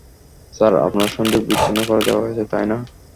Sir, আপনার সংযোগ বিচ্ছিন্ন করে দেওয়া হয়েছে, তাই না?